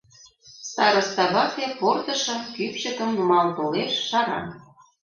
Староста вате портышым, кӱпчыкым нумал толеш, шара.